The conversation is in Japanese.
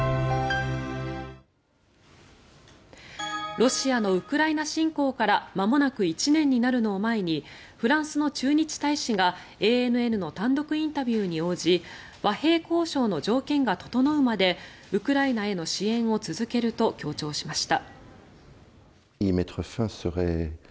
ロシアのウクライナ侵攻からまもなく１年になるのを前にフランスの駐日大使がＡＮＮの単独インタビューに応じ和平交渉の条件が整うまでウクライナへの支援を続けると強調しました。